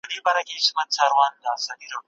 دوه سېبه پاته کېږي.